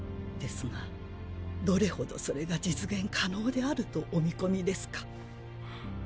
ですがどれほどそれが実現可能であるとお見込みですか？